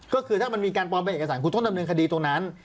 ก็คือถ้ามันมีการปลอมเป็นเอกสารคุณต้องดำเนินคดีตรงนั้น